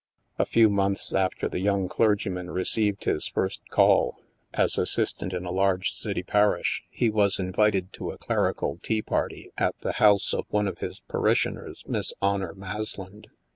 A few months after the young clergyman received his first call, as assistant in a large city parish, he was in vited to a clerical tea party at the house of one of his parishioners, Miss Honor Masland.